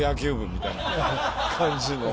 みたいな感じの。